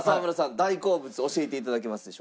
大好物教えて頂けますでしょうか？